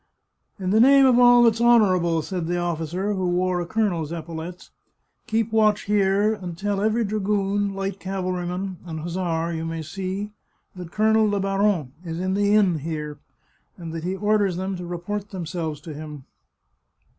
" In the name of all that's honourable," said the officer, who wore a colonel's epaulettes, " keep watch here, and tell every dragoon, light cavalry man, and hussar you may see that Colonel Le Baron is in the inn there, and that he orders them to report themselves to him."